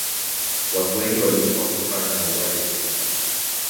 watu wengi walikufa kutokana na mauaji ya kimbari